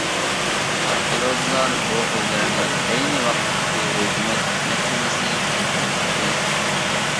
ئارخېئولوگلار بۇ ئۆيلەرنى ئەينى ۋاقىتتىكى ھۆكۈمەت مەھكىمىسى دەپ بېكىتتى.